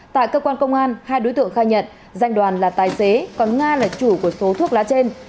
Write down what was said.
tại cơ quan công an hai đối tượng khai nhận danh đoàn là tài xế còn nga là chủ của số thuốc lá trên